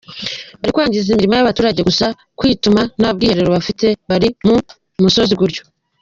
Bari kwangiza imirima y’abaturage gusa, kwituma, nta bwiherero bafite bari ku musozi gutyo.